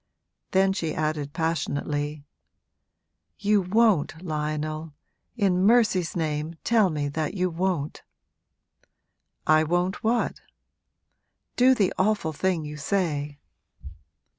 Then she added passionately, 'You won't, Lionel; in mercy's name tell me that you won't!' 'I won't what?' 'Do the awful thing you say.'